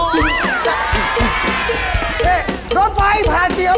รถไฟผ่านเจียพอ